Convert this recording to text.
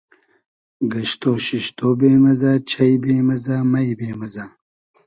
گئشتۉ شیشتۉ بې مئزۂ, چݷ بې مئزۂ, مݷ بې مئزۂ